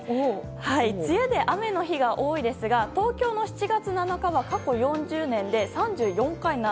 梅雨で雨の日が多いですが東京の７月７日は過去４０年で３４回の雨。